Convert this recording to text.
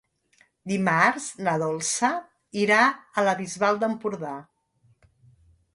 Dimarts na Dolça irà a la Bisbal d'Empordà.